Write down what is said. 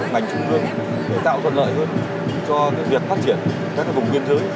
ngành chủng thương tạo thuận lợi hơn cho việc phát triển các vùng huyền thới